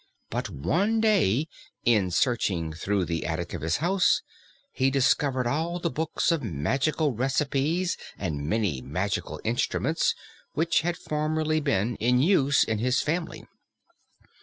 But one day, in searching through the attic of his house, he discovered all the books of magical recipes and many magical instruments which had formerly been in use in his family.